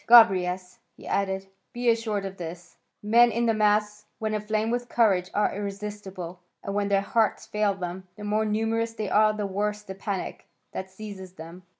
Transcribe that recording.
Gobryas," he added, "be assured of this; men in the mass, when aflame with courage, are irresistible, and when their hearts fail them, the more numerous they are the worse the panic that seizes them.